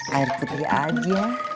air putih aja